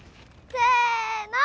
せの。